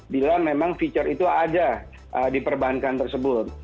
bila memang fitur itu ada di perbankan tersebut